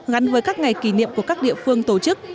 gắn với các ngày kỷ niệm của các địa phương tổ chức